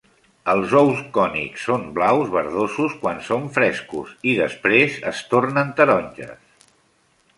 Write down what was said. Els ous cònics són blaus verdosos quan són frescos i després es tornen taronges.